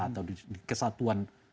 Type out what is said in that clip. atau di kesatuan